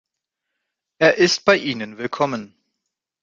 Er ist bei ihnen willkommen.